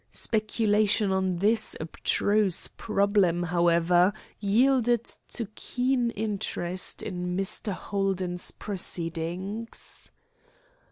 Speculation on this abstruse problem, however, yielded to keen interest in Mr. Holden's proceedings.